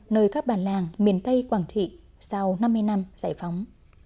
nơi các bản làng miền tây quảng trị sau năm mươi năm giải phóng